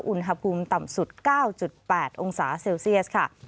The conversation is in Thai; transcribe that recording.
อุณหภูมิต่ำสุด๙๘องศาเซลเซียสค่ะ